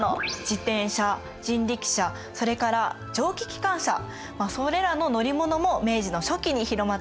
自転車人力車それから蒸気機関車それらの乗り物も明治の初期に広まっていきました。